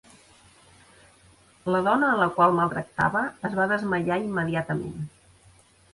La dona a la qual maltractava es va desmaiar immediatament.